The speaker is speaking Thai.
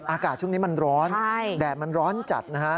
อากาศช่วงนี้มันร้อนแดดมันร้อนจัดนะฮะ